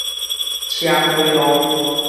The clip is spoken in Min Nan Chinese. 車街路